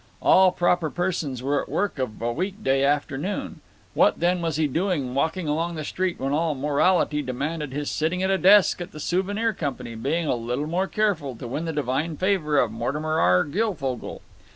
All proper persons were at work of a week day afternoon. What, then, was he doing walking along the street when all morality demanded his sitting at a desk at the Souvenir Company, being a little more careful, to win the divine favor of Mortimer R. Guilfogle?